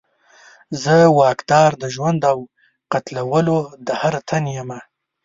زه واکدار د ژوند او قتلولو د هر تن یمه